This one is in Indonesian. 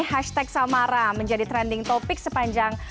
hashtag samara menjadi trending topic sepanjang